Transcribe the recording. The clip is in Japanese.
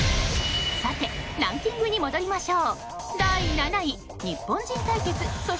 ランキングに戻りましょう。